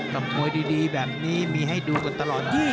กับมวยดีแบบนี้มีให้ดูกันตลอด